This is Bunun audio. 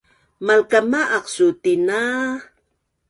Malkama’aq suu tina?